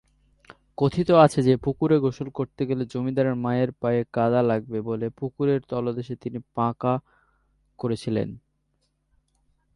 কথিত আছে যে, পুকুরে গোসল করতে গেলে জমিদারের মায়ের পায়ে কাদা লাগবে বলে পুকুরের তলদেশে তিনি পাঁকা করেছিলেন।